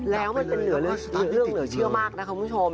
แล้วมันเป็นเรื่องเหลือเชื่อมากนะคุณผู้ชม